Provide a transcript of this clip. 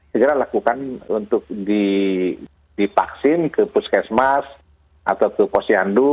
segera lakukan untuk divaksin ke puskesmas atau ke posyandu